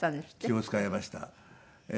気を使いました。